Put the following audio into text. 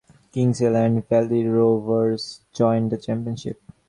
Kinsale and Valley Rovers joined the championship.